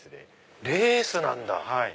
レースなんだ！